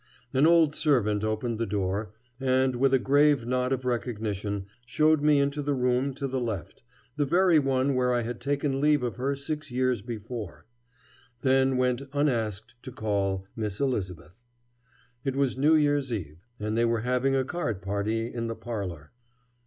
An old servant opened the door, and, with a grave nod of recognition, showed me into the room to the left, the very one where I had taken leave of her six years before, then went unasked to call "Miss Elisabeth." It was New Year's Eve, and they were having a card party in the parlor.